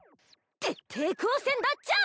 徹底抗戦だっちゃ！